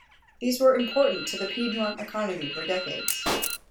These were important to the Piedmont economy for decades.